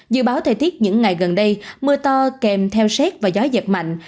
dự báo thời tiết những ngày gần đây mưa to kèm theo xét và gió giật mạnh